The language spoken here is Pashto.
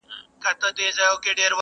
شیطانانو په تیارو کي شپې کرلي٫